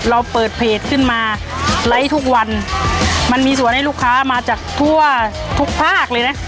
เราเปิดเพจขึ้นมาไลค์ทุกวันมันมีส่วนให้ลูกค้ามาจากทั่วทุกภาคเลยนะ